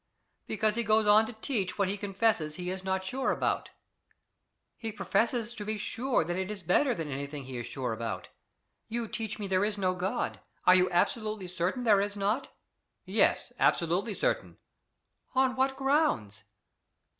"Because he goes on to teach what he confesses he is not sure about." "He professes to be sure that it is better than anything he is sure about. You teach me there is no God: are you absolutely certain there is not?" "Yes; absolutely certain." "On what grounds?"